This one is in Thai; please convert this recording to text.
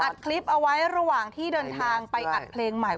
อัดคลิปเอาไว้ระหว่างที่เดินทางไปอัดเพลงใหม่